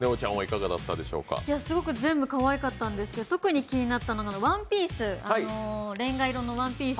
全部かわいかったんですけど、特に気になったのがワンピース、れんが色の。